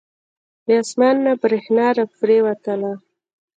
له اسمان نه بریښنا را پریوتله.